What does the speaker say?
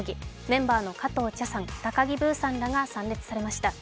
メンバーの加藤茶さん、高木ブーさんらが参列しました。